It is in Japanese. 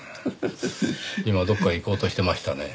今どこか行こうとしてましたね。